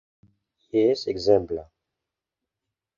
Jes; ekzemple?